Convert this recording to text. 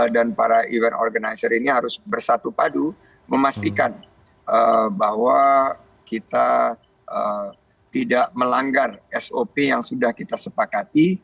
dan para event organizer ini harus bersatu padu memastikan bahwa kita tidak melanggar sop yang sudah kita sepakati